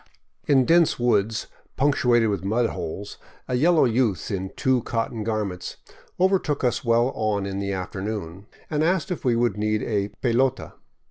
In dense woods punctuated with mud holes, a yellow youth in two cotton garments overtook us well on in the afternoon, and asked if we would need a "pelota."